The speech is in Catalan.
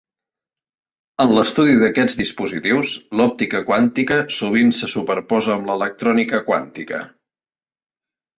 En l'estudi d'aquests dispositius, l'òptica quàntica sovint se superposa amb l'electrònica quàntica.